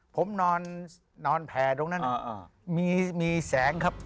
ผมนอนแผ่ตรงนั้นมีแสงครับ